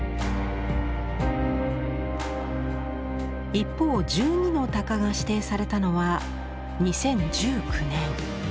一方「十二の鷹」が指定されたのは２０１９年。